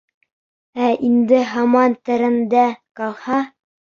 Ә инде һаман тәрәндә ҡалһа?